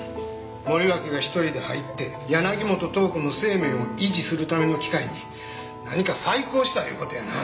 森脇が１人で入って柳本塔子の生命を維持するための機械に何か細工をしたいう事やな。